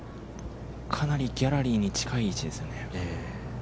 かなりギャラリーに近い位置ですね。